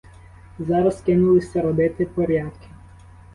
Зараз кинулися робити порядки.